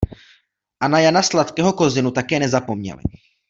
A na Jana Sladkého Kozinu také nezapomněli.